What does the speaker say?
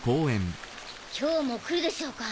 今日も来るでしょうか。